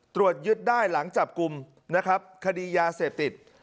ตรวจยึดได้หลังจับกลุ่มนะครับคดียาเสพติด